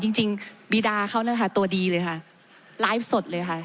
จริงจริงบีดาเขานะคะตัวดีเลยค่ะไลฟ์สดเลยค่ะ